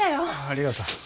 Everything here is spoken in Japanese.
ありがとう。